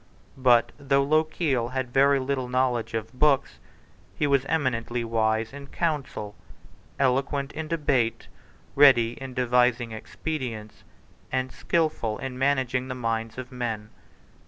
But though Lochiel had very little knowledge of books, he was eminently wise in council, eloquent in debate, ready in devising expedients, and skilful in managing the minds of men.